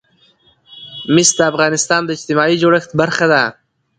مس د افغانستان د اجتماعي جوړښت برخه ده.